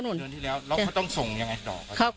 เดือนที่แล้วแล้วเขาต้องส่งยังไงต่อครับ